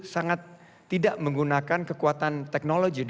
sangat tidak menggunakan kekuatan teknologi